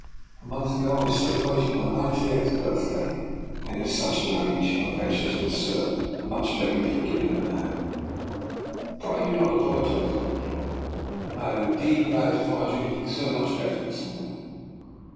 A month ago I celebrated my ninety eighth birthday, and at such an age, I venture to assert, much may be forgiven a man." " Pray do not apologise," I replied. " I am indeed glad to find you looking so much better this morning."